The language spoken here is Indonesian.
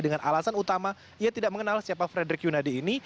dengan alasan utama ia tidak mengenal siapa frederick yunadi ini